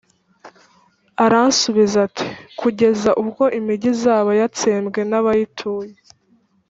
Aransubiza ati «Kugeza ubwo imigi izaba yatsembwe, nta bayituye,